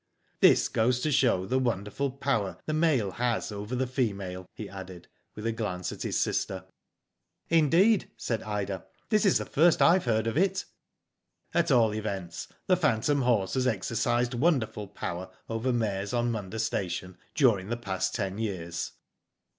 "This goes to show the wonderful power the male has over the female," he added, with a glance at his sister. •* Indeed," said Ida, *' this is the first I have heard of it." *'At all events the phantom horse has exercised wonderful power over mares on Munda station, during the past ten years.